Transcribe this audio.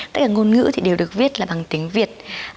tất cả ngôn ngữ thì đều được viết là bằng tiếng việt